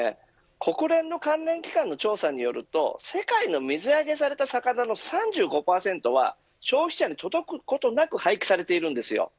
国連の関連機関の調査によると世界の水揚げされた魚の３５％は消費者に届くことなく廃棄されているんですよ。